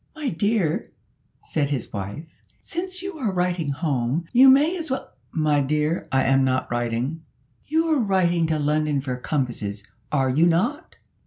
"My dear," said his wife, "since you are writing home, you may as well " "My dear, I am not writing " "You're writing to London for compasses, are you not?"